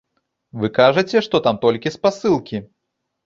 Вы кажаце, што там толькі спасылкі.